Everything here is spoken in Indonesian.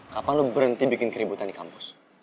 kapan lo berhenti bikin keributan di kampus